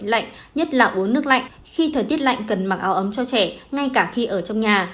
lạnh nhất là uống nước lạnh khi thời tiết lạnh cần mặc áo ấm cho trẻ ngay cả khi ở trong nhà